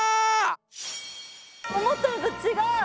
思ったのと違う。